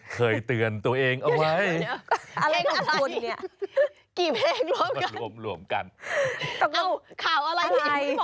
เคยเตือนตัวเองเอาไว้